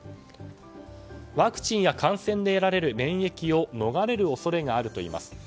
ワクチンや感染で得られる免疫を逃れる恐れがあるといいます。